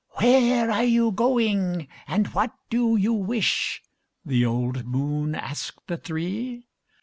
"Where are you going, and what do you wish?" The old moon asked the three.